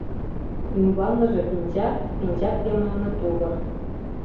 Ӱмбалныже пинчак, пинчак йымалне тувыр.